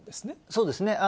そうですね。